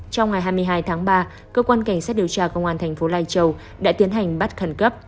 trong ngày hai mươi hai tháng ba cơ quan cảnh sát điều tra công an thành phố lai châu đã tiến hành bắt khẩn cấp